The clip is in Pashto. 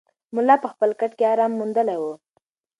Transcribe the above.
ملا په خپل کټ کې ارام موندلی و.